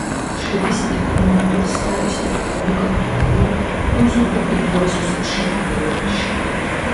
შედის ეკონომიკურ-სტატისტიკურ მიკრორეგიონ ფოს-დუ-იგუასუს შემადგენლობაში.